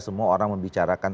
semua orang membicarakan